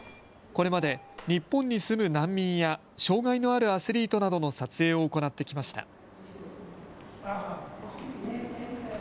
これまで日本に住む難民や障害のあるアスリートなどの撮影を行ってきました。